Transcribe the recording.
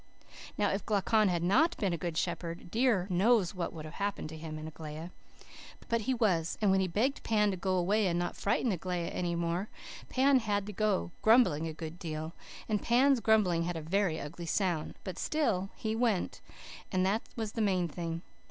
If Glaucon had NOT been a good shepherd dear knows what would have happened to him and Aglaia. But he was; and when he begged Pan to go away and not frighten Aglaia any more, Pan had to go, grumbling a good deal and Pan's grumblings had a very ugly sound. But still he WENT, and that was the main thing.